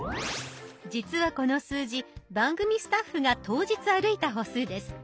実はこの数字番組スタッフが当日歩いた歩数です。